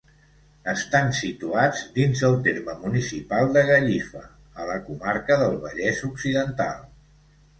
Estan situats dins del terme municipal de Gallifa, a la comarca del Vallès Occidental.